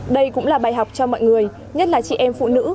đây cũng là bài học cho mọi người nhất là chị em phụ nữ